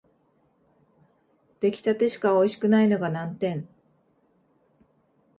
出来立てしかおいしくないのが難点